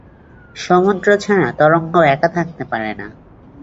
সমুদ্র ছাড়া তরঙ্গ একা থাকতে পারে না।